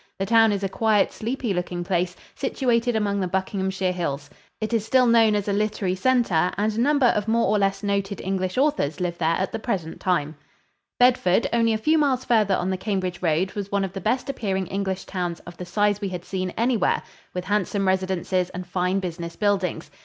The town is a quiet, sleepy looking place, situated among the Buckinghamshire hills. It is still known as a literary center and a number of more or less noted English authors live there at the present time. [Illustration: JOHN WYCLIF'S CHURCH, LUTTERWORTH.] Bedford, only a few miles farther on the Cambridge road, was one of the best appearing English towns of the size we had seen anywhere with handsome residences and fine business buildings.